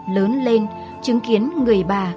lớn lên chứng kiến người bà